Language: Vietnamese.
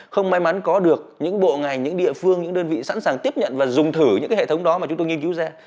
không may mắn có được những bộ ngành những địa phương những đơn vị sẵn sàng tiếp nhận và dùng thử những cái hệ thống đó mà chúng tôi nghiên cứu ra